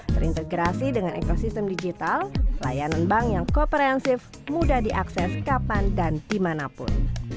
terintegrasi dengan ekosistem digital layanan bank yang komprehensif mudah diakses kapan dan dimanapun